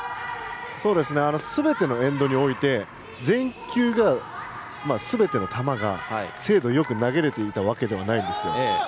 すべてのエンドにおいて全球が精度よく投げられていたわけではないです。